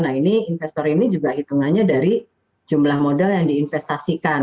nah ini investor ini juga hitungannya dari jumlah modal yang diinvestasikan